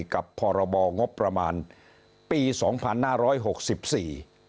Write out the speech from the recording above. พรบงบประมาณปีสองพันห้าร้อยหกสิบสี่